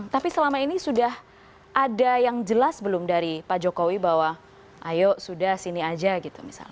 tapi selama ini sudah ada yang jelas belum dari pak jokowi bahwa ayo sudah sini aja gitu misalnya